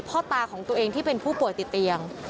พ่อตาของตัวเองที่เป็นผู้ป่วยติดเตียง